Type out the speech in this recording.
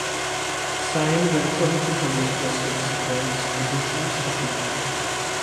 Sein went on to publish the subsequent editions of the book.